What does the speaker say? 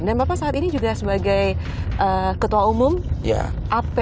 dan bapak saat ini juga sebagai ketua umum appsi